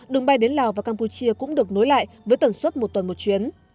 đường bay đến lào và campuchia cũng được nối lại với tần suất một tuần một chuyến